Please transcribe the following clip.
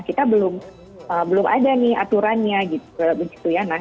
kita belum ada aturannya